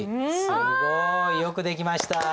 すごい。よくできました。